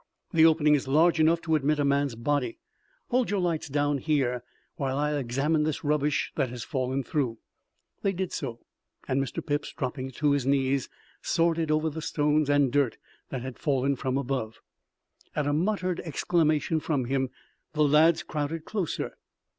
The opening is large enough to admit a man's body. Hold your lights down here while I examine this rubbish that has fallen through." They did so, and Mr. Phipps dropping to his knees sorted over the stones and dirt that had fallen from above. At a muttered exclamation from him, the lads crowded closer.